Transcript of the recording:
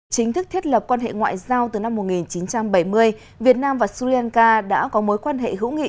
chính thức thiết lập quan hệ ngoại giao từ năm một nghìn chín trăm bảy mươi việt nam và sri lanka đã có mối quan hệ hữu nghị